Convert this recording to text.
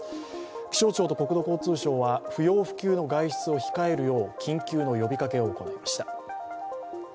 気象庁と国土交通省は不要不急の外出を控えるよう緊急の呼びかけを行いました。